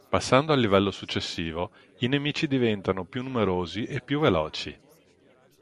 Passando al livello successivo i nemici diventano più numerosi e più veloci.